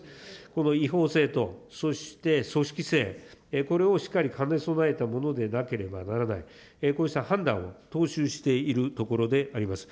この違法性とそして組織性、これをしっかり兼ね備えたものでなければならない、こうした判断を踏襲しているところであります。